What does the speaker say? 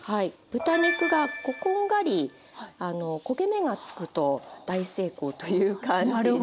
豚肉がこんがり焦げ目がつくと大成功という感じで。